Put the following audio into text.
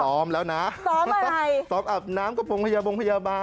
ซ้อมแล้วนะซ้อมอะไรซ้อมอาบน้ำกับวงพยาบ้าน